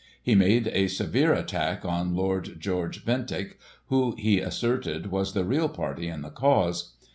He made a severe attack on Lord George Bentinck, who, he asserted, was the real party in the cause.